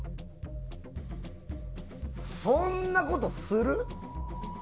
そんなことする？